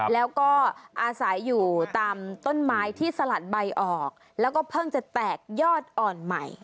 แล้วก็อาศัยอยู่ตามต้นไม้ที่สลัดใบออกแล้วก็เพิ่งจะแตกยอดอ่อนใหม่